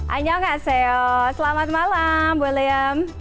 annyeonghaseyo selamat malam william